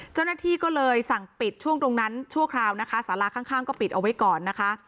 เจ้าหน้าที่ก็เลยสั่งปิดช่วงตรงนั้นชั่วคราวนะคะสาราข้างก็ปิดเอาไว้ก่อนนะคะ